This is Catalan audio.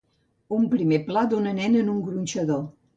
Un primer pla d'una nena en un gronxador.